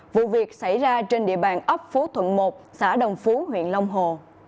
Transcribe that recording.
vụ việc xảy ra trên địa bàn ấp phú thuận một xã đồng phú huyện long hồ